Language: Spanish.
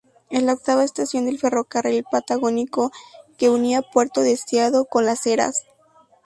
Es la octava estación del Ferrocarril Patagónico que unía Puerto Deseado con Las Heras.